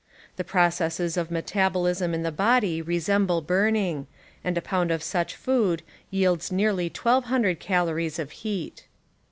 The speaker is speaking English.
The processes of metabol ism in the body resemble burning, and a pound of such food yields nearly 1200 calories of heat.